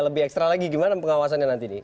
lebih ekstra lagi gimana pengawasannya nanti nih